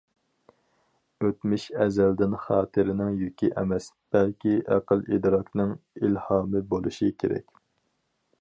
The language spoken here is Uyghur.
ئۆتمۈش ئەزەلدىن خاتىرىنىڭ يۈكى ئەمەس، بەلكى ئەقىل- ئىدراكنىڭ ئىلھامى بولۇشى كېرەك.